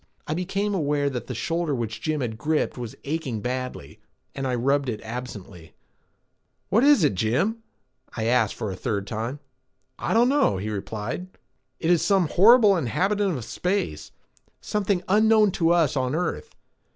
I became aware that the shoulder which Jim had gripped was aching badly, and I rubbed it absently. "What is it, Jim?" I asked for the third time. "I don't know," he replied. "It is some horrible inhabitant of space, something unknown to us on earth.